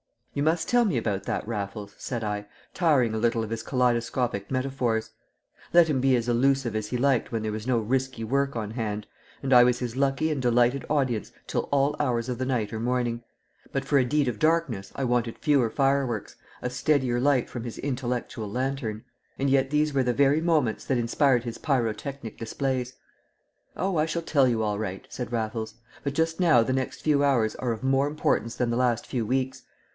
"You must tell me about that, Raffles," said I, tiring a little of his kaleidoscopic metaphors. Let him be as allusive as he liked when there was no risky work on hand, and I was his lucky and delighted audience till all hours of the night or morning. But for a deed of darkness I wanted fewer fireworks, a steadier light from his intellectual lantern. And yet these were the very moments that inspired his pyrotechnic displays. "Oh, I shall tell you all right," said Raffles. "But just now the next few hours are of more importance than the last few weeks.